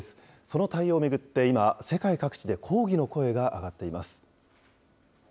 その対応を巡って今、世界各地で抗議の声が上がっています。